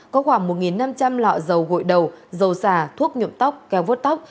có khoảng một năm trăm linh lọ dầu gội đầu dầu xà thuốc nhộm tóc keo vốt tóc